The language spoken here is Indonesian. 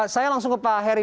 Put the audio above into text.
saya langsung ke pak heri